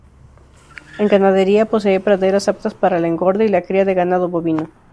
En ganadería, posee praderas aptas para el engorde y la cría de ganado bovino.